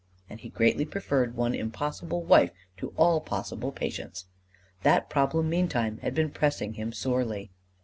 And he greatly preferred one impossible wife to all possible patients. That problem meantime had been pressing him sorely.